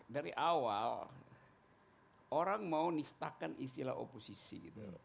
dari awal orang mau nistakan istilah oposisi gitu